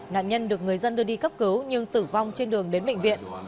nạn nhân được người dân đưa đi cấp cứu nhưng tử vong trên đường đến bệnh viện